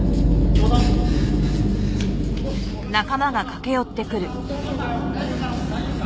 大丈夫か？